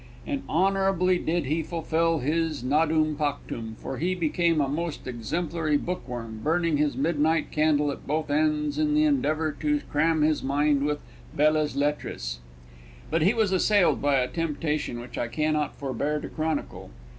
And honourably did he fulfil this nudum pactum, for he became a most exemplary bookworm, burning his midnight candle at both ends in the endeavour to cram his mind with belles lettres. But he was assailed by a temptation which I cannot forbear to chronicle.